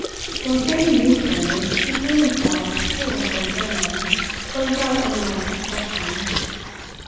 While saying these words he turned himself full towards Lena, but without any marked expression.